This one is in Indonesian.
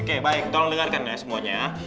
oke baik tolong dengarkan ya semuanya